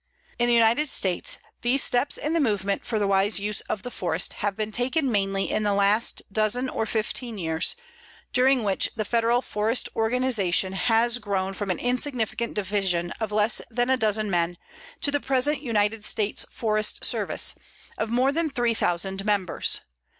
In the United States these steps in the movement for the wise use of the forest have been taken mainly in the last dozen or fifteen years, during which the Federal forest organization has grown from an insignificant division of less than a dozen men to the present United States Forest Service, of more than three thousand members.